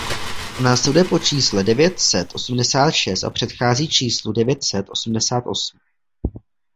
Následuje po čísle devět set osmdesát šest a předchází číslu devět set osmdesát osm.